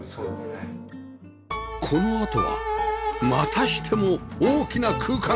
このあとはまたしても大きな空間！